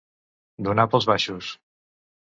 Donar pels baixos.